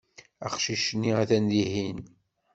Aqcic-nni atan dihin.